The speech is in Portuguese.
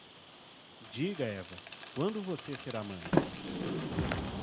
Diga, Eva, quando você será mãe?